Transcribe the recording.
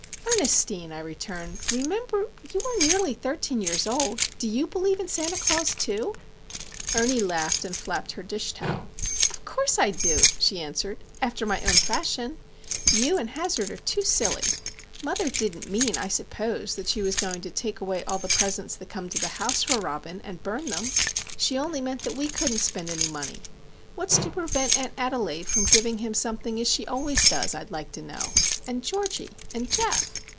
"Ernestine," I returned, "remember,—you are nearly thirteen years old! Do you believe in Santa Claus, too?" Ernie laughed and flapped her dish towel. "Of course I do," she answered, "after my own fashion. You and Hazard are too silly! Mother didn't mean, I suppose, that she was going to take away all the presents that come to the house for Robin, and burn them? She only meant that we couldn't spend any money. What's to prevent Aunt Adelaide giving him something as she always does, I'd like to know? and Georgie? and Geof?"